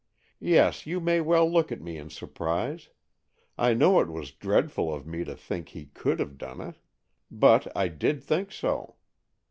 Yes, you may well look at me in surprise,—I know it was dreadful of me to think he could have done it, but—I did think so.